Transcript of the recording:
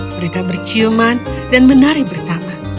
mereka berciuman dan menari bersama